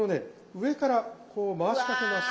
上からこう回しかけます。